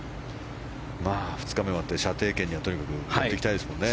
２日目終わって射程圏にはとにかく持っていきたいですね